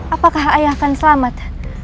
apakah ayah akan selamat